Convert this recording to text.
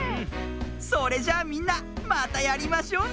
それじゃあみんなまたやりましょうね。